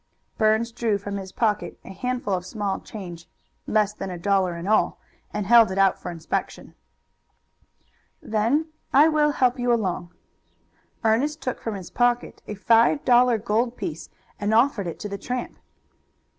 Burns drew from his pocket a handful of small change less than a dollar in all and held it out for inspection. "Then I will help you along." Ernest took from his pocket a five dollar gold piece, and offered it to the tramp.